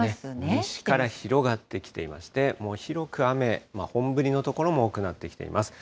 西から広がってきていまして、もう広く雨、本降りの所も多くなってきています。